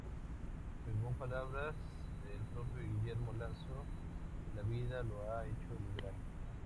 Según palabras del propio Guillermo Lasso, "la vida lo ha hecho liberal".